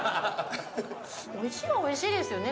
おいしいはおいしいですよね。